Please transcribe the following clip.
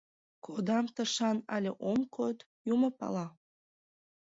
Кодам тышан але ом код — юмо пала.